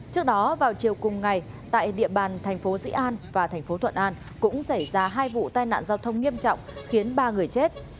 trước đó vào chiều cùng ngày tại địa bàn thành phố dĩ an và thành phố thuận an cũng xảy ra hai vụ tai nạn giao thông nghiêm trọng khiến ba người chết